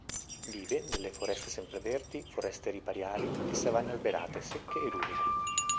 Vive nelle foreste sempreverdi, foreste ripariali e savane alberate secche ed umide.